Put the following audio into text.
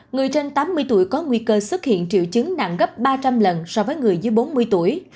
người trên tám mươi tuổi có nguy cơ xuất hiện triệu chứng nặng gấp ba trăm linh lần so với người dưới bốn mươi tuổi